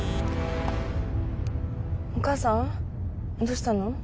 お母さんどうしたの？